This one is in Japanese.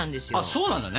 そうなんだね。